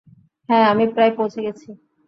হ্যাঁ, আমি প্রায় পৌঁছে গেছি।